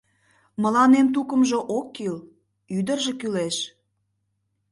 — Мыланем тукымжо ок кул, ӱдыржӧ кӱлеш.